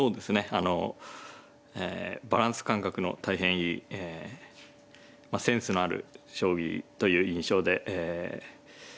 あのバランス感覚の大変いいセンスのある将棋という印象でえ大変手ごわい相手です。